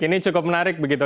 ini cukup menarik begitu